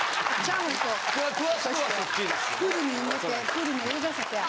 プールに入れてプールに泳がせて。